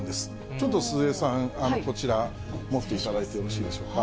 ちょっと鈴江さん、こちら持っていただいてよろしいでしょうか。